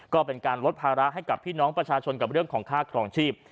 ก็เป็นการลดภาระให้กับพี่น้องประชาชนกับเรื่องของค่าครองชีพ